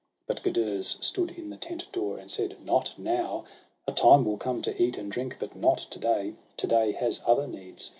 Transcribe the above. But Gudurz stood in the tent door, and said: —' Not now ! a time will come to eat and drink, But not to day; to day has other needs.